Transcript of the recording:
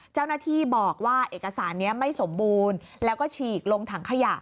เจ้าหน้าที่บอกว่าเอกสารนี้ไม่สมบูรณ์แล้วก็ฉีกลงถังขยะ